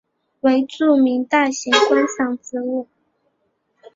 为著名大型观赏植物。